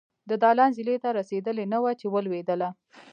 د دالان زينې ته رسېدلې نه وه چې ولوېدله.